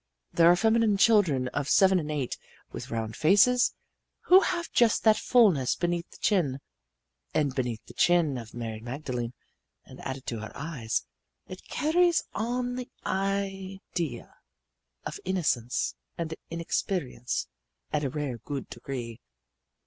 There are feminine children of seven and eight with round faces, who have just that fullness beneath the chin, and beneath the chin of Mary Magdalene and added to her eyes it carries on the idea of innocence and inexperience to a rare good degree.